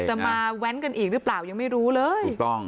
จะมาแว้นกันอีกหรือเปล่ายังไม่รู้เลยถูกต้อง